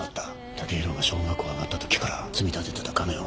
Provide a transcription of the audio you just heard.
剛洋が小学校上がったときから積み立ててた金を。